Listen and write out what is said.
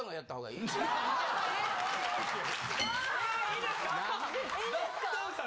いいですか？